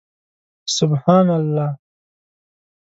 سبحان الله